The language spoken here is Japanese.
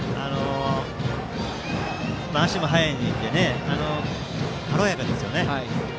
足も速いので軽やかですね。